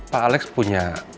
pak alex punya